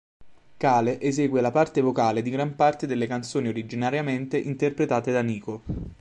Cale esegue la parte vocale di gran parte della canzoni originariamente interpretate da Nico.